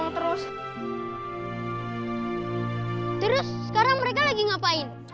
terus sekarang mereka lagi ngapain